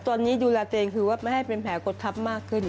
ตอนนี้ดูลาเตรนคือว่ามาให้เป็นแผลกฎทัพมากขึ้น